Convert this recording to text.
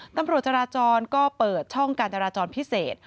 ตำรวจจราจรก็เปิดช่องการจราจรพิเศษ